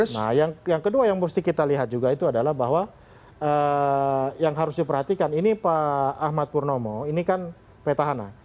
nah yang kedua yang mesti kita lihat juga itu adalah bahwa yang harus diperhatikan ini pak ahmad purnomo ini kan petahana